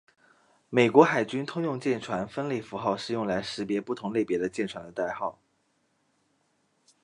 美国海军通用舰船分类符号是用来识别不同类别的舰船的代号。